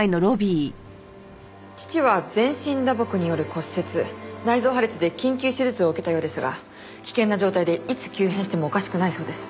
父は全身打撲による骨折内臓破裂で緊急手術を受けたようですが危険な状態でいつ急変してもおかしくないそうです。